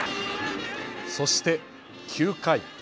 そして９回。